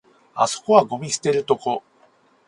あそこはゴミ捨てるとこ